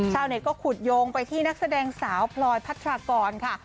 ชาวเน็ตก็ขุดโยงไปที่นักแสดงสาวพลอยพัทรากรค่ะ